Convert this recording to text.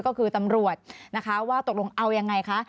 ก็คือตำรวจนะคะว่าตกลงเอายังไงคะ